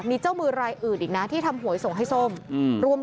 มีเจ้ามือรายอื่นอีกนะที่ทำหวยส่งให้ส้มรวม